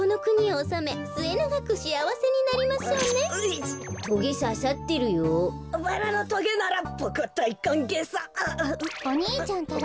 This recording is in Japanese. お兄ちゃんたら！